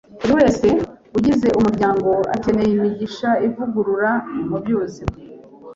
Buri wese ugize umuryango akeneye imigisha ivugurura mu by’ubuzima.